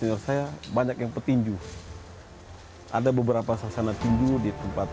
nusa tenggara timur